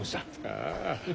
ああ。